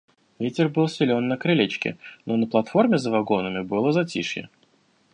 Ветер был силен на крылечке, но на платформе за вагонами было затишье.